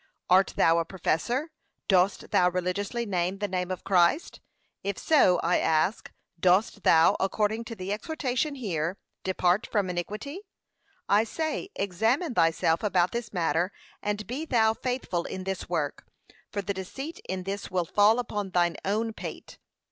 Art thou a professor? Dost thou religiously name the name of Christ? If so, I ask, dost thou, according to the exhortation here, 'Depart from iniqnity?' I say, examine thyself about this matter, and be thou faithful in this work, for the deceit in this will fall upon thine own pate.